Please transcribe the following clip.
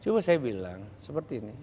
coba saya bilang seperti ini